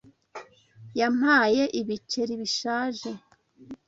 Yampaye ibiceri bishaje.